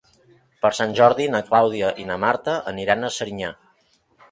Per Sant Jordi na Clàudia i na Marta aniran a Serinyà.